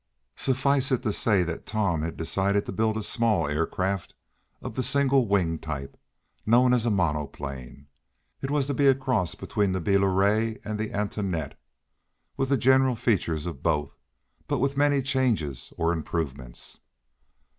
Suffice it to say that Tom had decided to build a small air craft of the single wing type, known as the monoplane. It was to be a cross between the Bleriot and the Antoinette, with the general features of both, but with many changes or improvements.